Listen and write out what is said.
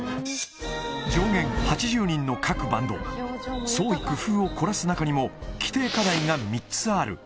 上限８０人の各バンド、創意工夫を凝らす中にも規定課題が３つある。